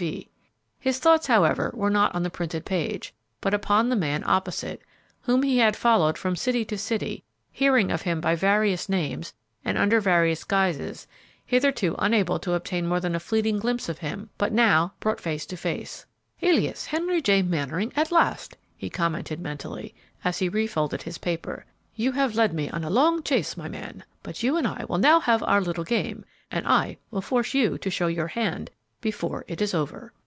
His thoughts, however, were not on the printed page, but upon the man opposite, whom he had followed from city to city, hearing of him by various names and under various guises; hitherto unable to obtain more than a fleeting glimpse of him, but now brought face to face. "Alias Henry J. Mannering at last!" he commented mentally, as he refolded his paper; "you have led me a long chase, my man, but you and I will now have our little game, and I will force you to show your hand before it is over!"